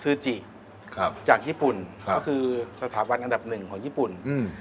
จิครับจากญี่ปุ่นครับก็คือสถาบันอันดับหนึ่งของญี่ปุ่นอืม